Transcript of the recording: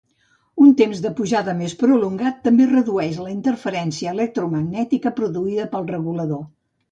Un temps de pujada més prolongat també redueix la interferència electromagnètica produïda pel regulador.